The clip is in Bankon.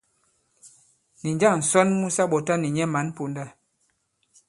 Nì njâŋ ǹsɔn mu sa ɓɔ̀ta nì nyɛ mǎn ponda?